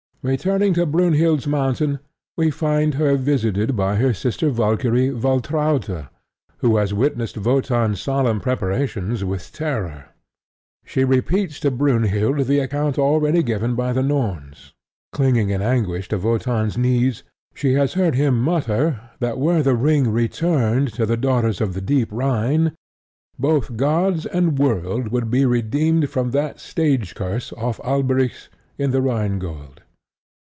Returning to Brynhild's mountain, we find her visited by her sister Valkyrie Valtrauta, who has witnessed Wotan's solemn preparations with terror. She repeats to Brynhild the account already given by the Norns. Clinging in anguish to Wotan's knees, she has heard him mutter that were the ring returned to the daughters of the deep Rhine, both Gods and world would be redeemed from that stage curse off Alberic's in The Rhine Gold.